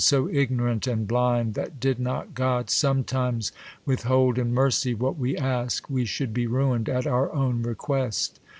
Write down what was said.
So ignorant and blind, that did not God Sometimes withhold in mercy what we ask, We showld be ruin'd at our own request.